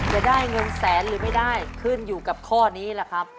จะได้เงินแสนหรือไม่ได้ขึ้นอยู่กับข้อนี้ล่ะครับ